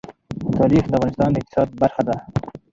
تاریخ د افغانستان د اقتصاد برخه ده.